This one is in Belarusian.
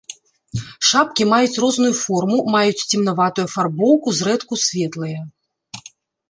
Шапкі маюць розную форму, маюць цемнаватую афарбоўку, зрэдку светлыя.